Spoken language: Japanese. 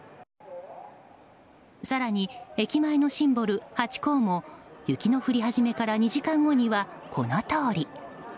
更に駅前のシンボル・ハチ公も雪の降り始めから２時間後にはこのとおり。